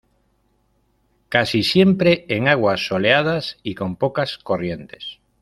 Casi siempre en aguas soleadas y con pocas corrientes.